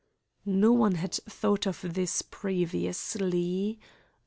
No one had thought of this previously.